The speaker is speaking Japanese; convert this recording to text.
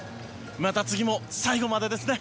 また次も最後までですね。